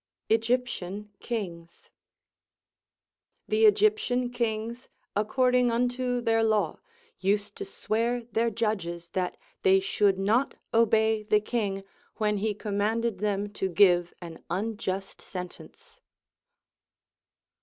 Egyptian Kings. The Egyptian kings, according unto their law, used to swear their judges that they should not obey the king when he commanded them to give an unjust sentence.